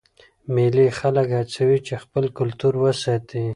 مېلې خلک هڅوي چې خپل کلتور وساتي.